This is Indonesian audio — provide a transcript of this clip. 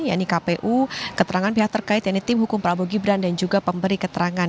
yaitu kpu keterangan pihak terkait yaitu tim hukum prabowo gibran dan juga pemberi keterangan